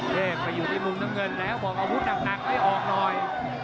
เขาอยู่ในมุมน้ำเงินแล้วบอกเอาพุทธหนักให้ออกหน่อย